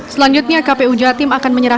selanjutnya kpu jatim akan menyerahkan